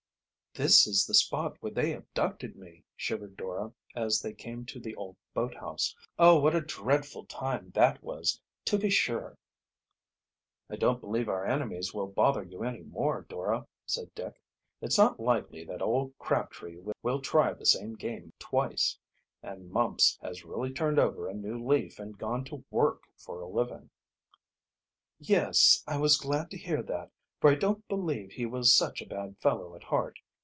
"This is the spot where they abducted me," shivered Dora, as they came to the old boathouse. "Oh, what a dreadful time that was, to be sure!" "I don't believe our enemies will bother you any more, Dora," said Dick. "It's not likely that old Crabtree Will try the same game twice; and Mumps has really turned over a new leaf and gone to work for a living." "Yes, I was glad to hear that, for I don't believe he was such a bad fellow at heart.